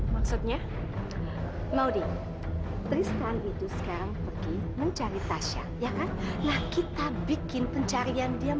maksudnya maudie tristan itu sekarang pergi mencari tasya ya kan kita bikin pencarian dia